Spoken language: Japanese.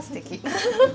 ウフフフ。